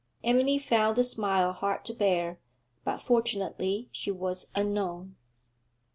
Emily found the smile hard to bear, but fortunately she was unknown.